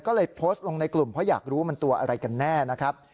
ก็เลยโพสต์ลงในกลุ่มเพราะอยากรู้ว่ามันตัวอะไรกันแน่นะครับ